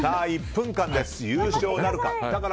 １分間です、優勝なるか。